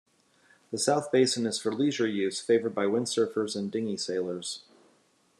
The south basin is for leisure use, favoured by wind surfers and dinghy sailors.